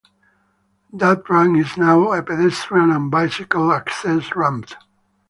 That ramp is now a pedestrian and bicycle access ramp.